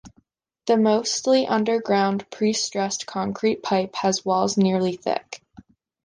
The mostly underground, pre-stressed concrete pipe has walls nearly thick.